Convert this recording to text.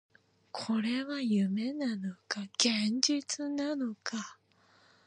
これは夢なのか、現実なのか